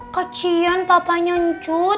kecian papa nyencut